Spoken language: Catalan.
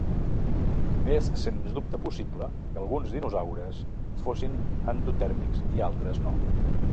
És sens dubte possible que alguns dinosaures fossin endotèrmics i altres no.